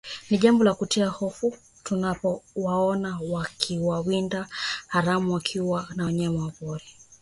Ni jambo la kutia hofu tunapowaona wawindaji haramu wakiwaua wanyama wa porini